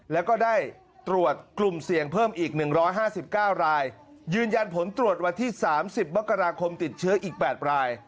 แล้วก็ได้ตรวจกลุ่มเสี่ยงเพิ่มอีกหนึ่งร้อยห้าสิบเก้ารายยืนยันผลตรวจวันที่สามสิบมกราคมติดเชื้ออีกแปดราย